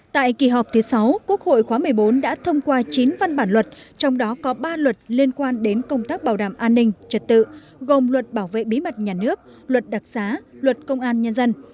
tại kỳ họp thứ sáu quốc hội khóa một mươi bốn đã thông qua chín văn bản luật trong đó có ba luật liên quan đến công tác bảo đảm an ninh trật tự gồm luật bảo vệ bí mật nhà nước luật đặc xá luật công an nhân dân